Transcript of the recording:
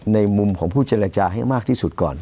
ในมุมของผู้เจรจาให้มากที่สุดก่อน